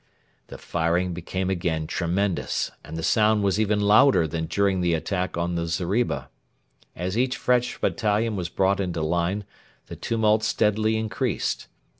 The firing became again tremendous, and the sound was even louder than during the attack on the zeriba. As each fresh battalion was brought into line the tumult steadily increased.